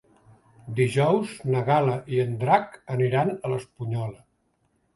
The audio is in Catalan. Dijous na Gal·la i en Drac aniran a l'Espunyola.